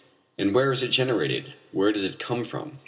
But where is it generated? Where does it come from?